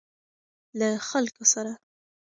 له خلکو سره.